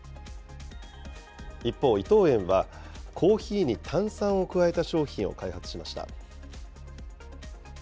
一方、伊藤園はコーヒーに炭酸を加えた商品を開発しました。